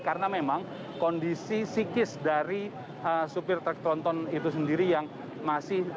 karena memang kondisi sikis dari sopir truk tronton itu sendiri yang masih cukup labil